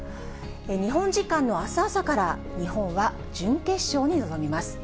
日本時間のあす朝から、日本は準決勝に臨みます。